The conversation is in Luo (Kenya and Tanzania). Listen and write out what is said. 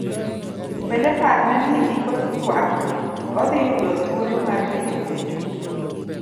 Bende parne ni e giko twak, odhi yudo thuolo mar penjo penjo.